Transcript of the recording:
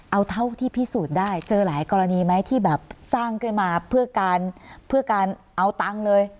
เอาเท่าที่พิสูจน์ได้เจอหลายกรณีไหมที่แบบสร้างขึ้นมาเพื่อการเพื่อการเอาตังค์เลย